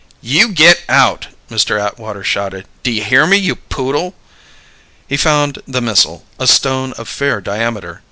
"You get out!" Mr. Atwater shouted, "D'ye hear me, you poodle?" He found the missile, a stone of fair diameter.